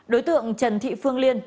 đối tượng trần thị phương liên